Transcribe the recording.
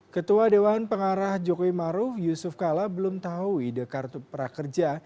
ketua dewan pengarah jokowi maruf yusuf kala belum tahu ide kartu prakerja